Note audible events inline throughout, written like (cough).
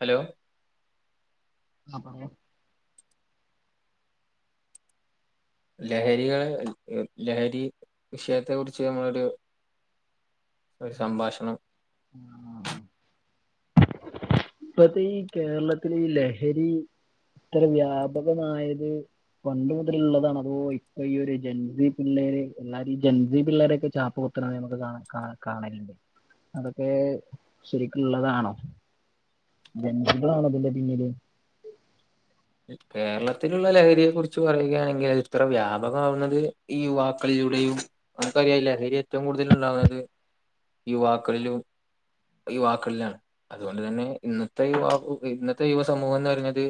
Hello. (unintelligible) ലഹരികളെ ഹ് ലഹരിവിഷയത്തെ കുറിച്ച്ഞമ്മളൊരു ഒരു സംഭാഷണം. ആഹ് പ്പത്തെ ഈ കേരളത്തിലി ലഹരി ഇത്ര വ്യാപകമായത്. പണ്ട് മുതല്ഇള്ളതാണോ അതോ ഇപ്പൊ ഈ ഒര് ജെൻസി പിള്ളേര് എല്ലാരും ഈ ജൻസിപിള്ളേരെക്കെ ചാപ്പകു ത്ര ഞമ്മക്ക് കാണ കാണ കാണൽണ്ട് അതൊക്കെ ശെരിക്ക്ള്ളതാണോ. ജൻസ്കളാണോ അതിന്റെ പിന്നില്. കേരളത്തിലുള്ള ലഹരിയെകുറിച്ച് പറയുകയാണെങ്കിൽ ഇത്ര വ്യാപകമാവുന്നത് ഈ യുവാക്കളിലൂടെയും നമുക്കറിയ ലഹരി എറ്റവും കൂടുതൽ ഇണ്ടാകണത് യുവാക്കളിലും. ഈ വാക്കുകളിലാണ് അതുപോലെ തന്നെ ഇന്നത്തെ വാക്ക് ഇന്നത്തെ യുവ സമൂഹോന്ന് പറഞ്ഞത്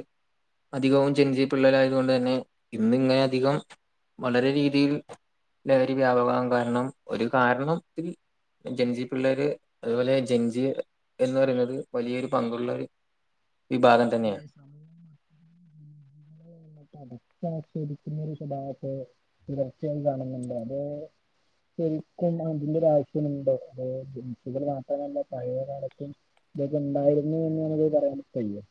അധികവും ജെൻസി പിള്ളരായതുകൊണ്ട്തെന്നെ ഇന്നിങ്ങനെഅധികം വളരെ രീതിയിൽ ലഹരി വ്യാപകാവാൻ കാരണം ഒര് കാരണംത്തിൽ ജൻജി പിള്ളേര് അതുപോലെ ജൻജി എന്ന് പറയുന്നത് വലിയൊരു പങ്കുള്ളരു. വിഭാഗംതെന്നെയാ അടച്ചാക്ഷേപിക്കുന്ന ഒര് സ്വഭാവത്തെ തുടർച്ചയായി കാണുന്നുണ്ട് അത് ശെരിക്കും അതിന്റെരു ആവശ്യമുണ്ടോ അതായത് ജെൻസികൾമാത്രമല്ല പഴേയകാലത്തും ഇതൊക്കെ ഉണ്ടായിരുന്നു എന്ന് നമുക്ക് പറയാൻവയ്യ.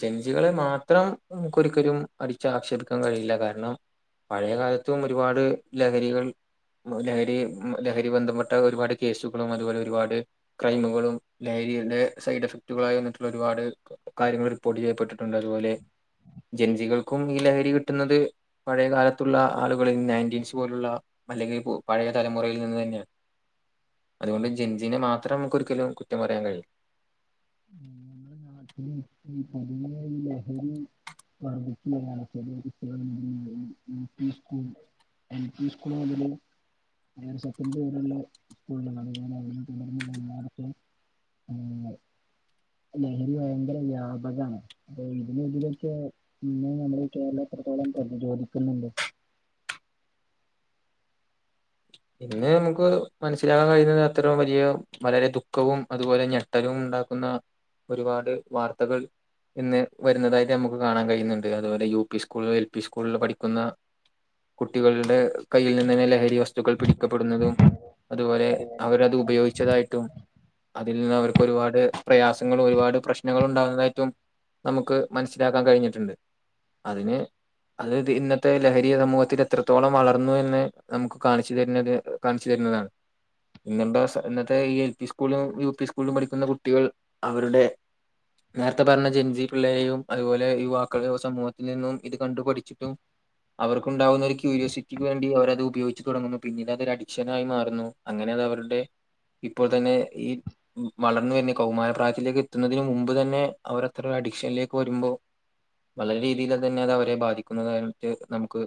ജെൻസികളെ മാത്രം നമുക്ക്ഒരിക്കലും അടിച്ച് ആക്ഷേപിക്കാൻകഴിയില്ല കാരണം പഴയകാലത്തും ഒരുപാട് ലഹരികൾ. മ് ലഹരി മ് ലഹരി ബന്ധപ്പെട്ട ഒര്പാട് കേസുകളും അതുപോലെ ഒരുപാട് ക്രൈമുകളും ലഹരിയുടെ സൈഡ് എഫക്റ്റുകളായിവെന്നിട്ടുള്ള ഒരുപാട് കാര്യങ്ങൾ പൊടിയെപ്പെട്ടിട്ടുണ്ട് അതുപോലെ ജൻജികൾക്കും ഈ ലഹരി കിട്ടുന്നത്. പഴയകാലത്തുള്ള ആളുകൾ നയന്റ്റീൻസ് പോലുള്ള അല്ലെങ്കിൽ പു പഴയെ തലമുറയിൽ നിന്ന് തന്നെ. അതുകൊണ്ട് ജെൻസിനെ മാത്രം നമുക്കൊരിക്കലും കുറ്റംപറയാൻ കയില്ല. നമ്മുടെ (inaudible) ഈ ലഹരി. (inaudible) എൽ പി സ്കൂൾ മുതല്. അങ്ങനെ സ്വപ്നം പോലുള്ള (inaudible) (unintelligible) ലഹരി ഭയങ്കര വ്യാപകാണ്. അപ്പൊ ഇതിന് എതിരൊക്കെ പിന്നെ നമ്മള് കേരളം എത്രത്തോളം പ്രതിരോദിക്കുന്നുണ്ട്. ഇന്ന് നമുക്ക് മനസ്സിലാൻ കഴിയുന്നത് അത്രോം വലിയ വളരെ ദുഃഖവും അതുപോലെ ഞ (unintelligible) ഇണ്ടാക്കുന്ന ഒരുപാട് വാർത്തകൾ ഇന്ന് വരുന്നതായിട്ട് നമുക്ക് കാണാൻ കഴിയുന്നുണ്ട് അതുപോലെ U P school L P സ്കൂളിൽ പഠിക്കുന്ന കുട്ടികളുടെ കയ്യിൽനിന്നെന്നേ ലഹരി വസ് വസ്തുക്കൾ പിടിക്കപ്പെടുന്നതും അതുപോലെ അവരത് ഉപയോഗിച്ചതായിട്ടും അതിൽനിന്ന് അവർക്ക് ഒരുപാട് പ്രയാസങ്ങളും ഒരുപാട് പ്രശ്നങ്ങൾ ഉണ്ടാകുന്നതായിട്ടും നമുക്ക് മനസ്സിലാക്കാൻ കഴിഞ്ഞിട്ടുണ്ട്. അതിന് അതയ്ത് ഇന്നത്തെ ലഹരി സമൂഹത്തിൽ എത്രത്തോളം വളർന്നു എന്ന് നമുക്ക്. കാണിച്ചു തര്ന്നത് കാണിച്ചു തരുന്നതാണ്. ഇന്നെന്താ സ ഇന്നത്തെ ഈ എൽ പി സ്കൂള്ലും യു പി സ്കൂള്ലും പഠിക്കുന്ന കുട്ടികൾ അവരുടെ നേർത്തെ പർഞ്ഞ ജൻജിപിള്ളെരേയും അതുപോലെ യുവാക്കളേം സമൂഹത്തിനിന്നും ഇത് കണ്ടുപഠിച്ചിട്ടും. അവർക്കുണ്ടാവുന്നൊരു ക്യൂരിയോസിറ്റിക്ക് വേണ്ടി അവരത് ഉപയോഗി ച്ച്തുടങ്ങുന്നു പിന്നീട് അതൊരു അഡിക്ഷനായിമാറുന്നു അങ്ങനെ അതവരുടെ ഇപ്പോൾതെന്നെ ഈ വളർന്നു വര്ന കൗമാരപ്രായത്തിലേക്ക് എത്തുന്നതിന് മുമ്പ് തന്നെ അവരത്ര അഡിക്ഷനിലേക്ക് വരുമ്പോ. വളരെ രീതിയിൽ തന്നെ അത് അവരെ ബാധിക്കുന്നതായിട്ട് നമുക്ക്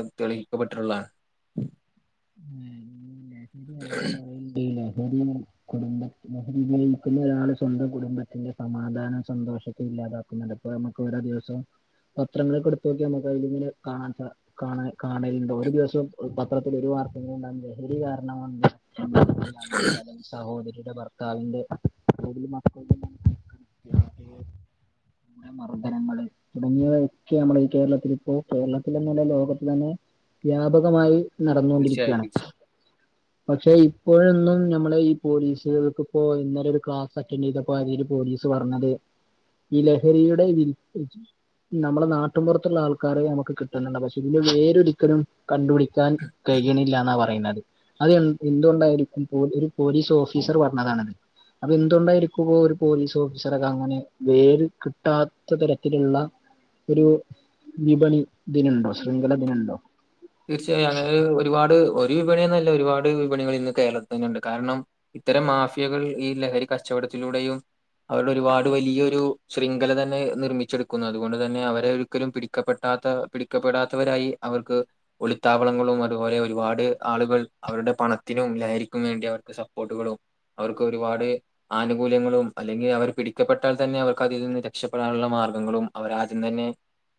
അ തെളിയിക്കപ്പെട്ടിട്ടുള്ളാൺ. ലഹരി എലാരുംപറയണ്ട് ലഹരി. കുടുംബത്തിനായിനിക്കുന്നൊരാള് സ്വന്തം കുടുംബത്തിന്റെ സമാധാനം സന്തോഷോക്കെ ഇല്ലാതാക്കും. ഇവിടെ നമുക്ക് ഓരോ ദിവസം പത്രങ്ങളൊക്കെ എടുത്ത് നോക്കിയാ നമുക്ക് അതി ഇങ്ങനെ കാണാൻ സാ കാണ കാണല്ണ്ടോ ഒരു ദിവസം അ് പത്രത്തിൽ ഒരു വാർ. അതുകൊണ്ടാണ് ലെഹരികാരണം കൊണ്ട് (unintelligible) അല്ലെങ്കി സഹോദരിയുടെ ഭർത്താവിന്റെ (inaudible) മക്കള. മർദ്ദനങ്ങള് തുടങ്ങിയവയൊക്കെമ്മളെ ഈ കേരളത്തിൽ ഇപ്പോ കേരളത്തിലെന്നല്ല ലോകത്ത്തന്നെ. വ്യാപകമായി തീർച്ചയായും നടന്നൊണ്ടിരിക്കാണ്. തീർച്ചയായും പക്ഷെ ഇപ്പോഴൊന്നും ഞമ്മള് ഈ പോലീസുകൾക്ക് ഇപ്പോ ഇന്നലെ ഒരു ക്ലാസ് അറ്റൻറ് ചെയ്ത (unintelligible) പോലീസ് പറഞ്ഞത് ഈ ലഹരിയുടെ വിൽ നമ്മളെ നാട്ടും പൊർത്തുള്ള ആൾക്കാരെ നമക്ക് കിട്ടുണണ്ട് പക്ഷെ ഇതില് വേരൊരിക്കലും കണ്ടുപിടിക്കാൻ. യ്യിണിലാന്നാ പറയുന്നത് അത് എ എന്തുകൊണ്ടായിരിക്കും പൊ ഒരു പോലീസ് ഓഫീസർ പർഞ്ഞതാണത്. അതെന്തോണ്ടായിരിക്കും പോ ഒര് പോലീസ് ഓഫീസറൊക്കെ അങ്ങനെ വേര് കിട്ടാത്ത തരത്തിലുള്ള ഒരു വിപണി ദിനണ്ടോ ശൃംഖല ദിനണ്ടോ തീർച്ചയായു അങ്ങനെ ഒരുപാട് ഒരു വിപണ്യൊന്നല്ല ഒരുപാട് വിപണികൾ ഇന്ന് കേരളത്തിൽ തന്നെണ്ട് കാരണം. ഇത്തരം മാഫിയകൾ ഈ ലഹരി കച്ചവടത്തിലൂടെയും അവരുടെ ഒരുപാട് വലിയൊരു ശൃംഖലതന്നെ നിർമ്മിച്ചെടുക്കുന്നു അതുകൊണ്ട്തെന്നെ അവരെ ഒരിക്കലും പിടി ക്കപ്പെട്ടാത്ത പിടിക്കപ്പെടാത്തവരായി അവർക്ക് ഒളിത്താവളങ്ങളും അതുപോലെ ഒരുപാട് ആളുകൾ അവരുടെ പണത്തിനും ലഹരിക്കും വേണ്ടി അവർക്ക് സപ്പോർട്ടുകളും അവർക്കൊരുപാട്. ആനുകൂല്യങ്ങളും അല്ലെങ്കിൽ അവർ പിടിക്കപ്പെട്ടാൽതന്നെ അവർക്ക് അതിൽനിന്ന് രക്ഷപ്പെടാനുള്ള മാർഗ്ഗങ്ങളും അവരാദ്യംതെന്നെ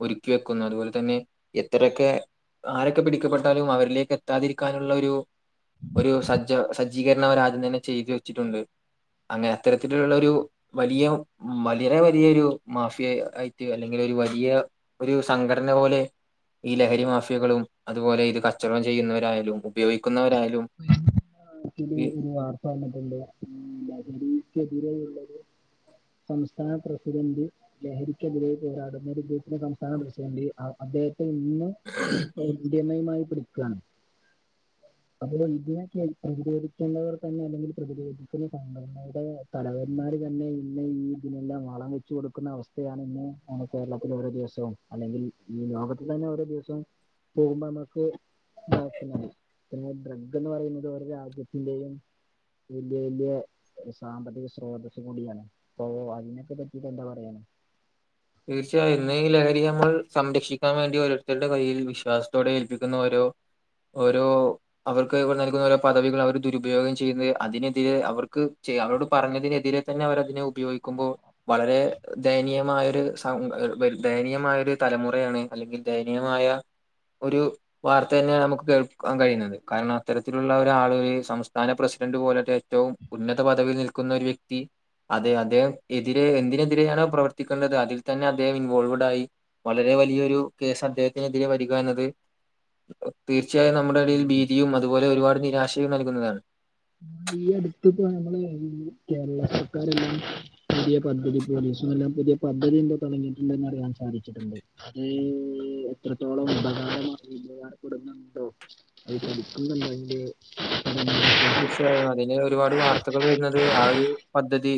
ഒരുക്കിവെക്കുന്നു അതുപോല്തെന്നെ എത്രയൊക്കെ ആരൊക്കെ പിടിക്കപ്പെട്ടാലും അവരിലേക്ക് എത്താതിരിക്കാനുള്ളൊരു ഒരു സജ്ജ സജ്ജീകരണ അവരാദ്യംതന്നെ ചെയ്ത് വെച്ചിട്ടുണ്ട്. അങ്ങനെ അത്തരത്തിലുള്ളൊരു വലിയ, വളരെ വലിയൊരു മാഫിയ ആയിറ്റ് അല്ലെങ്കിൽ ഒര് വലിയ ഒരു സംഘടനപോലെ ഈ ലഹരിമാഫി യകളും അതുപോലെ ഇത് കച്ചവടം ചെയ്യുന്നവരായാലും ഉപയോഗിക്കുന്നവരായാലും അഹ് ഇതില് ഈ ഒര് വാർത്ത വന്നിട്ടുണ്ട് ഉം ലഹരിക്കെതിരെയുള്ളൊരു സംസ്ഥാന പ്രസിഡന്റ് ലഹരിക്കെതിരെ പോരാടുന്നൊരു ഗ്രൂപ്പിന്റെസംസ്ഥാന പ്രസിഡന്റ് ആ അദ്ദേഹത്തിന് ഇന്ന് (unintelligible) മെയ്മായി പിടിക്കാണ് അപ്പൊ ഇതിനക്കെ പ്രതിരോധിക്കേണ്ടവർ തന്നെ അല്ലെങ്കിൽ പ്രതിരോധിക്കുന്ന സംഘടനയുടെ തലവന്മാര് തന്നെ ഇന്ന് ഇ- ഇതിനെല്ലാം വളംവെച്ചു കൊടുക്കുന്ന അവസ്ഥയാണ് ഇന്ന് കേരളത്തിൽ ഒരോ ദിവസവും അല്ലെങ്കിൽ ഈ ലോകത്ത് തന്നെ ഓരോ ദിവസോം പോകുമ്പോ മ്മക്ക് (unintelligible) പിന്നെ ഡ്രഗെന്ന് പറയുന്നത് രാജ്യത്തിന്റെയും വെല്ല്യവെല്ല്യ ഒര് സാമ്പത്തിക സ്രോതസ്കൂടിയാണ്. ഓഹ് അതിനൊക്കെ പറ്റീട്ട് എന്താ പറയാന് തീർച്ചയായും ഇന്നി ലഹരി നമ്മൾ സംരക്ഷിക്കാൻ വേണ്ടി ഓരോരുത്തരുടെ കയ്യിൽ വിശ്വാസത്തോടെ ഏൽപ്പിക്കുന്ന ഓരോ ഓരോ അവർക്ക് ഇവിടെ നൽകുന്ന ഓരോ പദവികൾ അവര് ദുരുപയോഗം ചെയ്യുന്നത് അതിനെതിരെ അവർക്ക് ചെയ അവരോട് പറഞ്ഞതിനെതിരെ. പിന്നെ അവരതിനെ ഉപയോഗിക്കുമ്പോ വളരെ ദയനീയമായൊരു സ എട് വെൽ ദയനീയമായൊര് തലമുറയാണ് അല്ലെങ്കിൽ ദയനീയമായ ഒരു. വാർത്തെന്നെണ് നമുക്ക് കേൾക്കാൻ കഴിയുന്നത് കാരണം അത്തരത്തിലുള്ള ഒരാള് ഈ സംസ്ഥാന പ്രസിഡന്റ് പോലത്തെ റ്റവും ഉന്നതപദവിയിൽ നിൽക്കുന്ന ഒര് വ്യക്തി അതെ അദ്ദേഹം എതിരെ എന്തിനെതിരെയാണോ പ്രവർത്തിക്കുന്നത് അതിൽ. തന്നെ അദ്ദേഹം ഇൻവോൾവഡ് ആയി വളരെ വലിയൊരു കേസ് അദ്ദേഹത്തിനെതിരെ വരിക എന്നത്. തീർച്ചയായും നമ്മുടെ ഇടയിൽ ഭീതിയും അതുപോലെ ഒരുപാട് നിരാശയും നൽകുന്നതാണ് ഈ അടുത്ത്പ്പോ നമ്മള് ഈ കേരള സർക്കാര് എല്ലാം പുതിയ പദ്ധതി പോലീസും എല്ലാം പുതിയ പദ്ധതിയെന്തോ തുടങ്ങിട്ടുണ്ടെന്നറിയാൻ സാധിച്ചിട്ടുണ്ട്. ഉം, ഇത്രത്തോളം ഉപകാരം ഉപകാരപ്പെടുന്നുണ്ടോ (inaudible) തീർച്ചയായും അതിന് ഒരുപാട് വാർത്തകൾ വരുന്നത് ആ ഒരു പദ്ധതി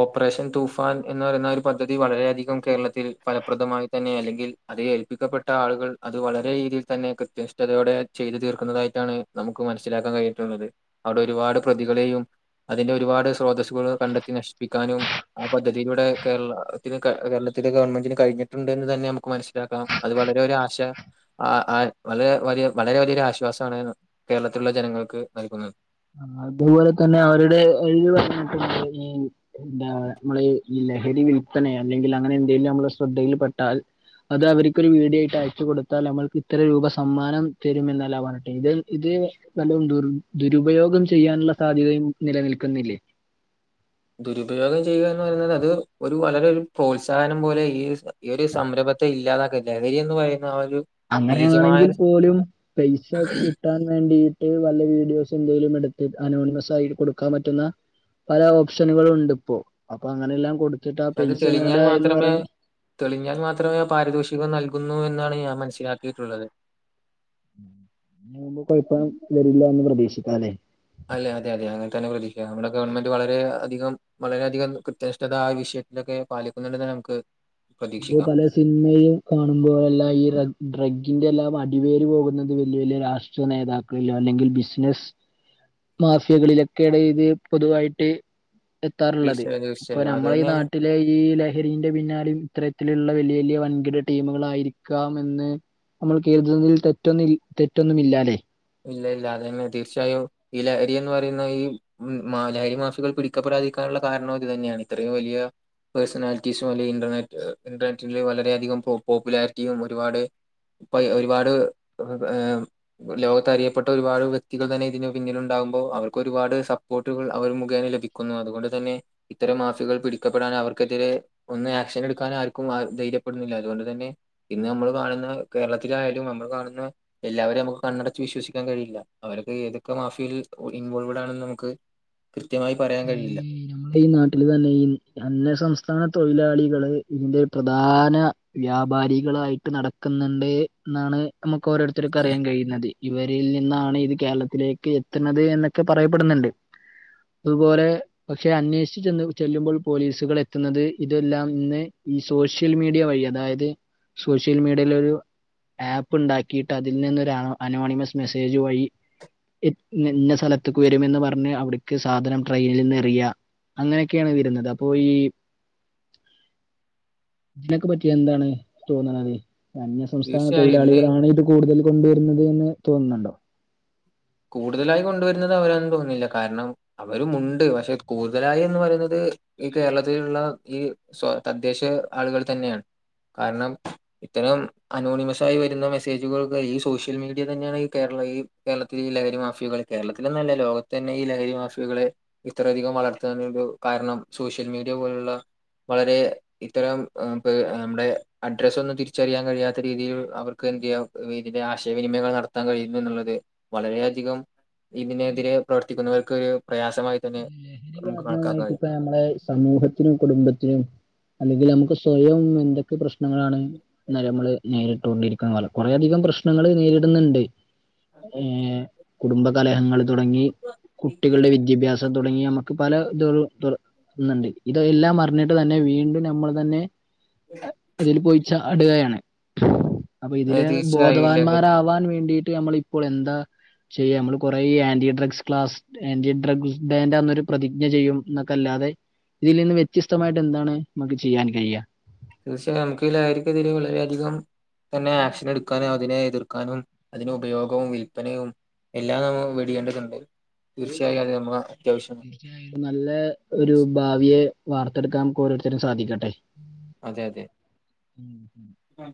ഓപ്പറേഷൻ തൂഫാൻ എന്ന് പറയുന്ന ഒരു പദ്ധതി വളരെയധികം കേരളത്തില് ഫലപ്രദമായി തന്നെ അല്ലെങ്കിൽ. അതേ ഏൽപ്പിക്കപ്പെട്ട ആളുകൾ അത് വളരെതിയിൽ തന്നെ കൃത്യനിഷ്ഠതയോടെ ചെയ്തു തീർക്കുന്നതായിട്ടാണ്. നമുക്ക് മനസ്സിലാക്കാൻ കഴിഞ്ഞിട്ടുള്ളത് അവിടെ ഒരുപാട് പ്രതികളെയും അതിന്റെ ഒരുപാട് സ്രോതസ്സുകൾ കണ്ടെത്തി നശിപ്പിക്കാനും. ആ പദ്ധതിയിലൂടെ കേരളത്തിന് കേരളത്തിലെ ഗവൺമെന്റിന് കഴിഞ്ഞിട്ടുണ്ട്ന്ന് തന്നെ നമുക്ക് മനസ്സിലാക്കാം. അത് വളരെ ഒരാശ ആഹ് ആ വളരെ വല്യ വളരെ വലിയൊരാശ്വാസാണ് കേരളത്തിലുള്ള ജനങ്ങൾക്ക് നൽകുന്നത്. അതുപോലെ തന്നെ അവരുടെ ഒരു (unintelligible) എന്താ നമ്മളീ ലഹരി വിൽപ്പന അല്ലെങ്കിൽ അങ്ങനെ എന്തേലും ഞമ്മളെ ശ്രെദ്ധയിൽപ്പെട്ടാൽ അത് അവർക്കൊരു വീടിയയിട്ട് അയച്ച കൊടുത്താൽ നമ്മൾക്ക് ഇത്ര രൂപ സമ്മാനം തരും എന്നല്ല പറഞ്ഞട്ടെ ഇത് ഇത്. ന്നാലും ദുർ ദുരുപയോഗം ചെയ്യാനുള്ള സാധ്യതയും നിലനിൽക്കുന്നില്ലേ ദുരുപയോഗം ചെയ്യുക എന്ന് പറയുന്നത് അത് ഒരു വളരെ ഒരു പ്രോത്സാഹനം പോലെ ഈ ഈ ഒരു സംരംഭത്തെ ഇല്ലാതാക്ക ലഹരി എന്ന് പറയുന്ന ആ ഒരു നീചമായ അങ്ങനെയാണെങ്കിൽ ഒരു- പോലും പൈസക് കിട്ടാൻ വേണ്ടിട്ട് വല്ല വീഡിയോസ് എന്തെങ്കിലും എടുത്ത് അനോണിമസ് ആയി കൊടുക്കാൻ പറ്റുന്ന പല ഓപ്ഷനുകളും ഉണ്ട് ഇപ്പോ അപ്പൊ അങ്ങനെല്ലാം കൊടുത്തിട്ട് ആഹ് അത് പൈസ തെളിഞ്ഞാൽ നേടായന്ന് മാത്രമേ പറയ് തെളിഞ്ഞാൽ മാത്രമേ പാരിതോഷികം നൽകുന്നു എന്നാണ് ഞാൻ മനസ്സിലാക്കിയിട്ടുള്ളത് (inaudible) മുമ്പ് കൊഴപ്പം വരില്ലന്ന് പ്രതീക്ഷിക്കാലേ അല്ലെ അതെ അതെ അങ്ങനെ തന്നെ പ്രതി നമ്മുടെ ഗവൺമെന്റ് വളരെ അധികം. വളരെയധികം കൃത്യനിഷ്ഠത ആ വിഷയത്തിലൊക്കെ പാലിക്കുന്നുണ്ടെന്ന് നമ്മുക്ക് (unintelligible) സിനിമയും കാണുമ്പോഴെല്ലാം ഈ ഡ്രഗ്ഗിൻ്റെ എല്ലാം അടിവേര് പോകുന്നത് വലിയ വലിയ രാഷ്ട്രീയ നേതാക്ക് (unintelligible) അല്ലെങ്കിൽ ബിസിനസ്. (inaudible) മാഫിയാക്കളിലൊക്കെണ് ഇത് പൊതുവായിട്ട് എത്താറുള്ളത് തീർച്ചയായും, ഇപ്പൊ തീർച്ചയായും. അത് നമ്മളെ തന്നെയാണ് നാട്ടിലെ ഈ ലഹരിന്റെ പിന്നാലീം ഇത്തരത്തിലുള്ള വലിയ വലിയ വൻകിട ടീമുക്കളായിരിക്കണമെന്ന് നമ്മൾ കരുതുന്നതില് തെറ്റൊന്നും ൽ തെറ്റൊന്നുമില്ലാല്ലേ ഇല്ല ഇല്ല അതെന്നെ തീർച്ചയും ഈ ലഹരിയെന്ന് പറയുന്ന ഈ ഉം മാലായി മാഫികൾ പിടിക്കപ്പെടാതിരിക്കാനുള്ള കാരണം ഇത് തന്നെയാണ് ഇത്രയും വലിയ പേഴ്സണാലിറ്റീസും അല്ലെങ്കി ഇന്റർനെറ്റ് ഏ ഇന്റർനെറ്റില് വളരെയധികം പോപ്പുലാരിറ്റിയും ഒരുപാട് ഇപ്പ ഒരുപാട് ഏ ലോക അറിയപ്പെട്ട ഒരുപാട് വ്യക്തികൾ തന്നെ ഇതിന് പിന്നിൽണ്ടാകുമ്പോ അവർക്ക് ഒരുപാട് സപ്പോർട്ടുകൾ അവര് മുഖേന ലഭി ന്നു അതുകൊണ്ട് തന്നെ ഇത്തരം മാഫിയകൾ പിടിക്കപ്പെടാൻ അവർക്കെതിരെ - ഒന്ന് ആക്ഷൻ എടുക്കാൻ ആർക്കും ധൈര്യപ്പെടുന്നില്ല അതുകൊണ്ടുതന്നെ ഇന്ന് നമ്മള് കാണുന്ന കേരളത്തിലായാലും നമ്മൾ കാണുന്ന എല്ലാവരെയും നമ്മുക്ക് കണ്ണട ച്ച് വിശ്വശിക്കാൻ കഴിയില്ല അവരക്കെ ഏതൊക്കെ മാഫിയിൽ ഇൻവോൾവ്ഡാണെന്ന് മുക്ക്. കൃത്യമായി പറയാൻ ഈ കഴിയില്ല നമ്മളെ ഈ നാട്ടില് തന്നെയിം. അന്യ സംസ്ഥാന തൊഴിലാളികള് ഇതിന്റെ പ്രധാന വ്യാപാരികളായിട്ട് നട നിക്കുന്നുടെ ന്നാണ് നമുക്ക് ഓരോരുത്തർക്കും അറിയാൻ കഴിയുന്നത്. ഇവരിൽ നിന്നാണ് ഇത് കേരളത്തിലേക്ക് എത്ത്ണത് എന്നൊക്കെ പറയപ്പെടുന്നുണ്ട്. ഇതുപോലെ പക്ഷെ അന്വേഷിച്ച് ചെന്ന ചെല്ലുമ്പോൾ പോലീസുകൾ എത്തുന്നത് ഇതെല്ലാം ഇന്ന് ഈസ് സോഷ്യൽ മീഡിയ വഴി അതായത് സോഷ്യൽ മീഡിയയിലൊരു. ആപ്പ് ണ്ടാക്കിയിട്ട് അതിൽ നിന്നൊ അനോണിമസ് മെസ്സേജ് വഴി എത്ത് ഇന്നാ ന്നാ സ്ഥലത്ത്ക്ക്‌ വരുമെന്ന് പറഞ്ഞ് അവിട്ക്ക്‌ സാധനം ട്രെയിനിൽ നിന്ന് ഇറക്ക പ്രിയഅങ്ങനെയൊക്കെയാണ് വരുന്നത് അപ്പോ ഈ നിനക്ക് പറ്റി എന്താണ് തോന്നണത്. അന്യസംസ്ഥാന തീർച്ചയായും ഇന്ന് തൊഴിലാളികളാണ് ഇത് കൂടുതൽ കൊണ്ടുവരുന്നത് എന്ന് തോന്നുന്നുണ്ടോ? കൂടുതലായി കൊണ്ടുവരുന്നത് അവരാന്നൊന്നും തോന്നില്ല കാരണം അവരു ഉണ്ട് പക്ഷെ കൂടുതലായി എന്ന് പറയുന്നത് ഈ കേരളത്തിലുള്ള ഈ സ്വയ തദ്ദേശ ആളുകൾ തന്നെയാണ് കാരണം. ഇത്തരം അനോണിമസ് ആയി വരുന്ന മെസ്സേജുകളൊക്കെ ഈ സോഷ്യൽ മീഡിയ തന്നെയാണ് ഈ കേരള ഈ കേരളത്തി ഈ ലഹരി മാഫികള് കേരത്തിലെന്നല്ല ലോകത്തന്നെ ഈ ലഹരി മാഫിയകളേ ഇത്രയധികം വളർത്താനൊരു കാരണം സോഷ്യൽ മീഡിയ പോലുള്ള വളരെ ഇത്തരം നമ്മുടെ അഡ്രസ്സൊന്നും തിരിച്ചറിയാൻ കഴിയാത്ത രീതിയിൽ അവർക്ക് എന്തെയ്യാം. ഇതിന്റെ ആശയവിനിമയങ്ങൾ നടത്താൻ കഴിയുന്നു എന്നുള്ളത്. വളരെയധികം ഇതിനെതിരെ പ്രവർത്തിക്കുന്നവർക്കൊരു പ്രയാസമായിതന്നെ ലഹരി കാരണമായിട്ടിപ്പൊ നമ്മളെ സമൂഹത്തിനും കുടുംബത്തിനും അല്ലെങ്കിൽ നമുക്ക് സ്വയം എന്തൊക്കെ പ്രശ്നങ്ങളാണ്. എന്ന നമ്മള് നേരിട്ടൊണ്ടിരിക്കുന്ന കുറേ അധികം പ്രശ്നങ്ങൾ നേരിടുന്നുണ്ട്. ഏ കുടുംബകലഹങ്ങൾ തുടങ്ങി കുട്ടികളുടെ വിദ്യാഭ്യാസം തുടങ്ങി നമ്മ പല ഇതാള് ഇത് ഇന്ന്ണ്ട് ഇതെല്ലാം അറിഞ്ഞിട്ട് തന്നെ വീണ്ടും നമ്മൾ തന്നെ അതിൽ പോയിചാട്കയാണ്. അപ്പൊ അത് ഇതില് തീർച്ചയായും ലഹരി ബോധവാന്മാരാവാൻ വേണ്ടിട്ട് നമ്മൾ ഇപ്പോൾ എന്താ ചെയ്യാ നമ്മള് കൊറേ anti drugs class anti drugs ഡേന്റെ അന്ന് ഒരു പ്രതിജ്ഞ ചെയ്യും ന്നൊക്കല്ലാതെ ഇതിൽ നിന്നും വ്യത്യസ്തമായിട്ട് എന്താണ് മക്ക് ചെയ്യാൻ കയ്യ സാം (unintelligible) ലായിരിക്കത്തില്ല വളരെയധികം. തന്നെ ആക്ഷനെടുക്കാനും അതിനെ എതിർക്കാനും അതിന് ഉപയോഗും വിൽപനയും. എല്ലാം നമ്മ വെടിയേണ്ടതുണ്ട് തീർച്ചയായും അത് നമ്മളെ അത്യാവശ്യാണ്. നല്ല ഒരു ഭാവിയെ വാർത്തെടുക്കാൻ നമുക്ക് ഓരോരുത്തർക്കും സാധിക്കട്ടെ. അതെ അതെ ഉം ഉം ഉം